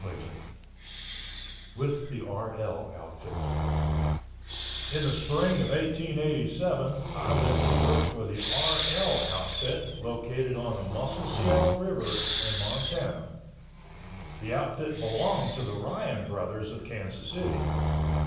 CHAPTER IV WITH THE RL OUTFIT In the spring of 1887 I went to work for the "RL" outfit located on the Musselshell River in Montana. The outfit belonged to the Ryan Brothers of Kansas City.